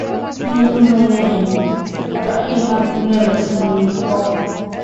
He knew my name, but he had never seen me before.